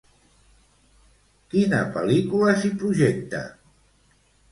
Quina pel·lícula s'hi projecta?